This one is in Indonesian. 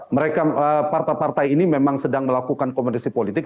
mereka partai partai ini memang sedang melakukan kompetisi politik